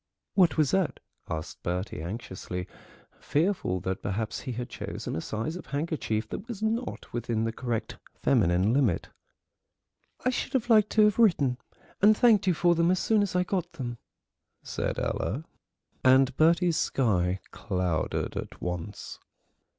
"What was that?" asked Bertie anxiously, fearful that perhaps he had chosen a size of handkerchief that was not within the correct feminine limit. "I should have liked to have written and thanked you for them as soon as I got them," said Ella, and Bertie's sky clouded at once.